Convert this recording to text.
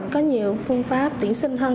có nhiều phương pháp tuyển sinh hơn